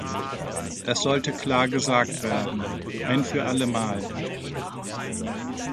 Das sollte klar gesagt werden, ein für alle Mal.